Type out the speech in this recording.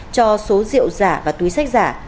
cho số rượu giả và túi sách giả